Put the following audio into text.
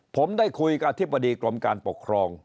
ผมได้คุยกับอธิบดีกรมการปกครอง